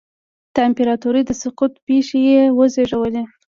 د امپراتورۍ د سقوط پېښې یې وزېږولې